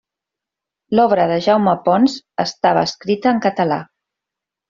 L’obra de Jaume Ponç estava escrita en català.